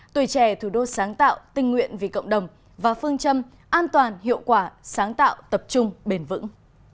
tuổi trẻ thủ đô sáng tạo tình nguyện vì cộng đồng và phương châm an toàn hiệu quả sáng tạo tập trung bền vững